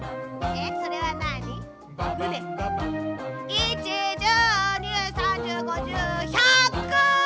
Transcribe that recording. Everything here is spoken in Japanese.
１１０２０３０５０１００！